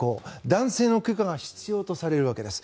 男性の許可が必要とされるわけです。